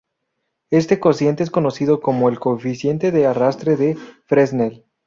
Este cociente es conocido como el "coeficiente de arrastre de Fresnel".